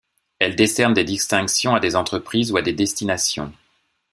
Elle décerne des distinctions à des entreprises ou à des destinations.